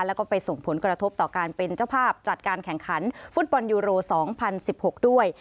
แล้วก็ไปส่งผลกระทบต่อการเป็นเจ้าภาพจัดการแข่งขันฟุตบอลยูโร๒๐๑๖ด้วย